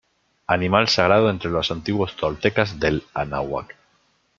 Animal sagrado entre los antiguos toltecas del anáhuac.